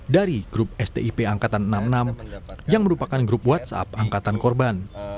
dari grup stip angkatan enam puluh enam yang merupakan grup whatsapp angkatan korban